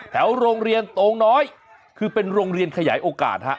แถวโรงเรียนโตงน้อยคือเป็นโรงเรียนขยายโอกาสฮะ